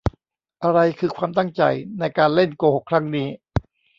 อะไรคือความตั้งใจในการเล่นโกหกครั้งนี้ ?